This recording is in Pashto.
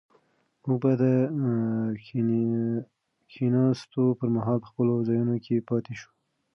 موږ باید د کښېناستو پر مهال په خپلو ځایونو کې پاتې شو.